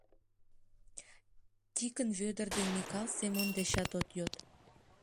Тикын Вӧдыр ден Микал Семон дечат от йод.